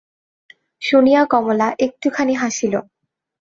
শুনিয়া কমলা একটুখানি হাসিল।